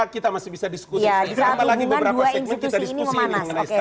kita masih bisa diskusi